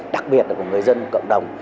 đặc biệt là của người dân cộng đồng